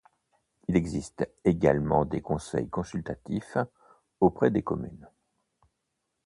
Il existe également des conseils consultatifs auprès des communes.